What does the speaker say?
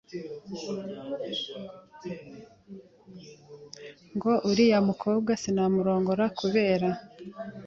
ngo uriya mukobwa sinamurongora kubera